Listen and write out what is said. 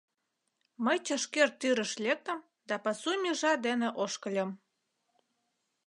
Мый чашкер тӱрыш лектым да пасу межа дене ошкыльым.